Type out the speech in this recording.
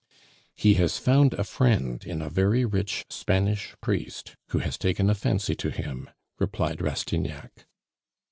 "He has found a friend in a very rich Spanish priest who has taken a fancy to him," replied Rastignac.